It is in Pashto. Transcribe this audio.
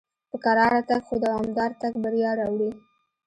په کراره تګ خو دوامدار تګ بریا راوړي.